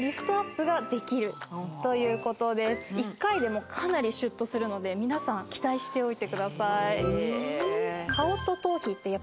１回でもかなりシュッとするので皆さん期待しておいてください。